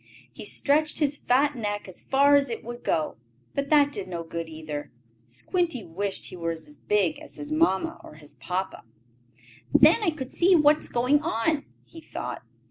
He stretched his fat neck as far as it would go, but that did no good either. Squinty wished he were as big as his papa or his mamma. "Then I could see what is going on," he thought.